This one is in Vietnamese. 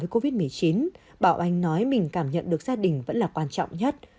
covid một mươi chín bảo anh nói mình cảm nhận được gia đình vẫn là quan trọng nhất